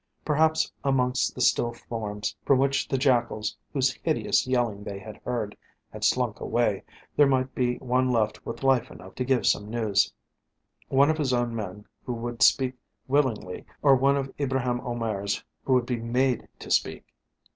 Perhaps amongst the still forms from which the jackals, whose hideous yelling they had heard, had slunk away, there might be one left with life enough to give some news. One of his own men who would speak willingly, or one of Ibraheim Omair's who would be made to speak.